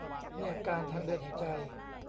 มีอาการทางเดินหายใจ